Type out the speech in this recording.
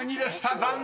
残念］